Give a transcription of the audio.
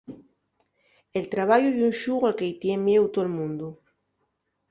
El trabayu ye un xugu al que-y tien mieu tol mundu.